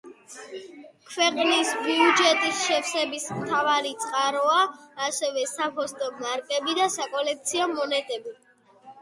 ქვეყნის ბიუჯეტის შევსების მთავარი წყაროა ასევე საფოსტო მარკები და საკოლექციო მონეტები.